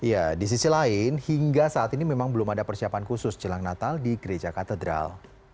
ya di sisi lain hingga saat ini memang belum ada persiapan khusus jelang natal di gereja katedral